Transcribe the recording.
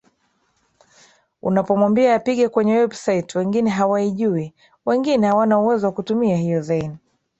unapomwambia apige kwenye website wengine hawaijui wengine hawana uwezo wa kutumia hiyo zain